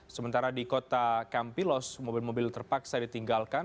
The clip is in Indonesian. sementara di kota campilos mobil mobil terpaksa ditinggalkan